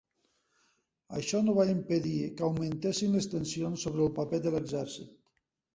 Això no va impedir que augmentessin les tensions sobre el paper de l'exèrcit.